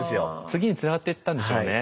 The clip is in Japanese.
次につながっていったんでしょうね。